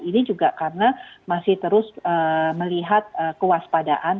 ini juga karena masih terus melihat kewaspadaan